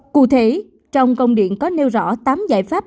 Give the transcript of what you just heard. cụ thể trong công điện có nêu rõ tám giải pháp